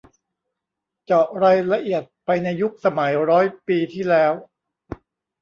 เจาะรายละเอียดไปในยุคสมัยร้อยปีที่แล้ว